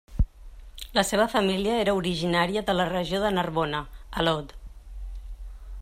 La seva família era originària de la regió de Narbona a l'Aude.